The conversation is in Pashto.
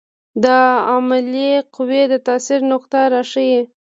د عاملې قوې د تاثیر نقطه راښيي.